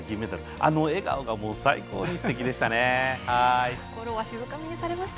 あの笑顔が最高にすてきでした。